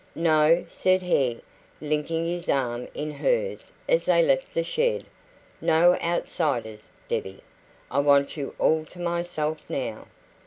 "No," said he, linking his arm in hers as they left the shed, "no outsiders, Debbie. I want you all to myself now."